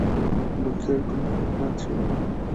লোকের কোনো অপরাধ ছিল না।